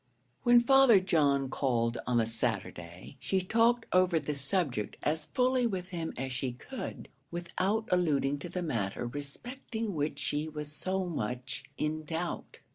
When Father John called on the Saturday, she talked over the subject as fully with him as she could without alluding to the matter respecting which she was so much in doubt.